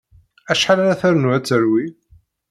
Acḥal ara ternu ad terwi?